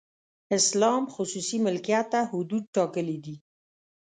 اسلام خصوصي ملکیت ته حدود ټاکلي دي.